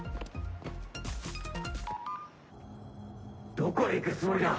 どこへ行くつもりだ？